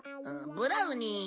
ブラウニー。